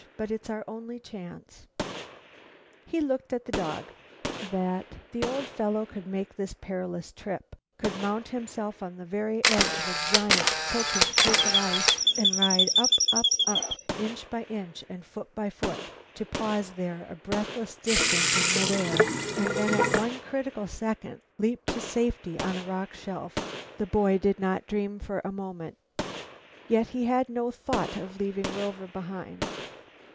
But it's our only chance." He looked at the dog. That the old fellow could make this perilous trip, could mount himself on the very edge of a giant, tilting cake of ice and ride up up up, inch by inch and foot by foot, to pause there a breathless distance in mid air and then at the one critical second, leap to safety on the rocky shelf, the boy did not dream for a moment. Yet he had no thought of leaving Rover behind.